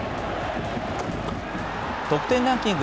得点ランキング